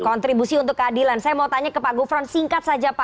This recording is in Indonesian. kontribusi untuk keadilan saya mau tanya ke pak gufron singkat saja pak